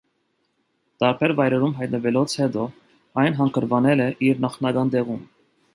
Տարբեր վայրերում հայտնվելուց հետո այն հանգրվանել է իր նախնական տեղում։